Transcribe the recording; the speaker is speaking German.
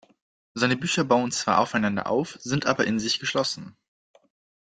Seine Bücher bauen zwar aufeinander auf, sind aber in sich geschlossen.